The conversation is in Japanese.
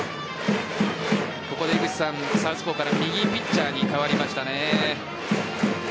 ここでサウスポーから右ピッチャーに代わりましたね。